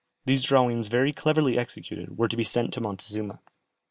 These drawings very cleverly executed, were to be sent to Montezuma.